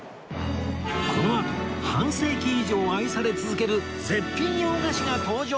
このあと半世紀以上愛され続ける絶品洋菓子が登場！